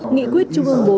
nghị quyết chung hương bốn